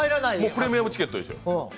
プレミアムチケットですよ。